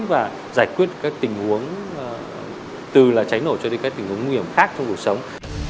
và giải quyết các tình huống từ cháy nổ cho đến các tình huống nguy hiểm khác trong cuộc sống